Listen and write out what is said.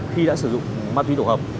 khi đã sử dụng ma túy đủ hợp